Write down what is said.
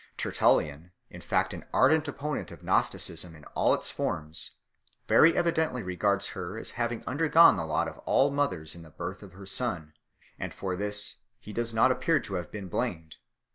Tertullian 1 in fact, an ardent opponent of Gnosticism in all its forms, very evidently regards her as having undergone the lot of all mothers in the birth of her Son, and for this he does not appear to have been blamed.